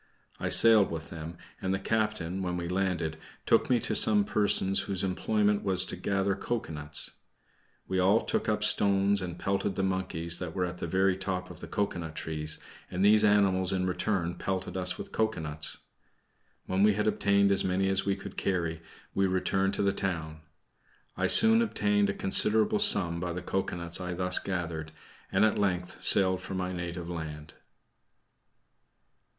I sailed with them, and the captain, when we landed, took me to some persons whose employment was to gather cocoanuts. We all took up stones and pelted the monkeys that were at the very top of the cocoanut trees, and these animals in return pelted us with cocoanuts. When we had obtained as many as we could carry, we returned to the town. I soon obtained a considerable sum by the cocoanuts I thus gathered, and at length sailed for my native land.